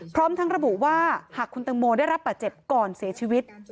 พร้อมทั้งระบุว่าหากคุณตังโมได้รับบาดเจ็บก่อนเสียชีวิต